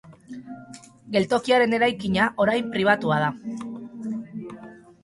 Geltokiaren eraikina orain pribatua da.